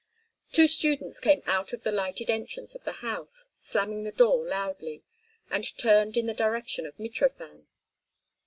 Two students came out of the lighted entrance of the house, slamming the door loudly, and turned in the direction of Mitrofan.